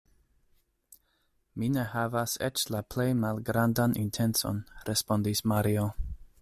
Mi ne havas eĉ la plej malgrandan intencon, respondis Mario.